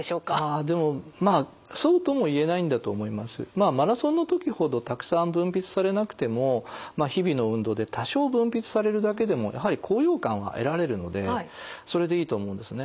まあマラソンの時ほどたくさん分泌されなくても日々の運動で多少分泌されるだけでもやはり高揚感は得られるのでそれでいいと思うんですね。